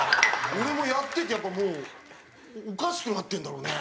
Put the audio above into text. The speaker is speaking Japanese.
俺もやっててやっぱもうおかしくなってるんだろうね。